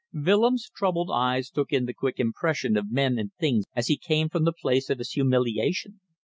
Willems' troubled eyes took in the quick impression of men and things as he came out from the place of his humiliation.